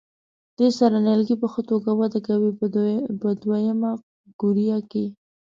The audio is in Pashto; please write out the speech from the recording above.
دې سره نیالګي په ښه توګه وده کوي په دوه یمه قوریه کې.